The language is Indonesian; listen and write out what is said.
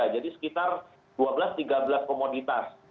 jadi sekitar dua belas tiga belas komoditas